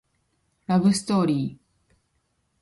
ラブストーリー